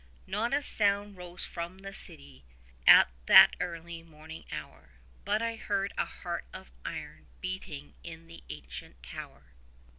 Not a sound rose from the city at that early morning hour, But I heard a heart of iron beating in the ancient tower.